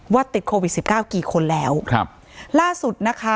ว่าติดโควิด๑๙กี่คนแล้วล่าสุดนะคะ